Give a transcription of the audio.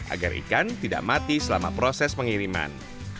agar ikan tidak mati selama proses pengiriman